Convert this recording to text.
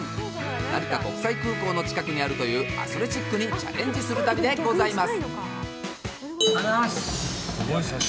成田国際空港の近くにあるというアスレチックにチャレンジする旅でございます。